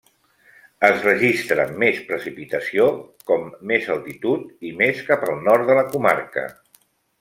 Es registra més precipitació com més altitud, i més cap al nord de la comarca.